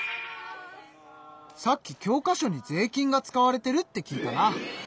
さっき教科書に税金が使われてるって聞いたな。